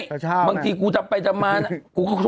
ถ้าฉันบอกเขาไปดู